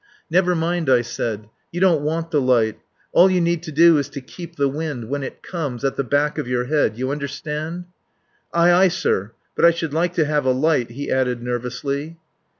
"Never mind," I said. "You don't want the light. All you need to do is to keep the wind, when it comes, at the back of your head. You understand?" "Aye, aye, sir. ... But I should like to have a light," he added nervously.